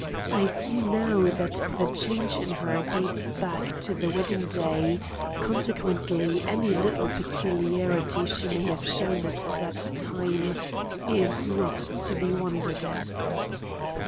I see now that the change in her dates back to her wedding day, consequently any little peculiarity she may have shown at that time is not to be wondered at."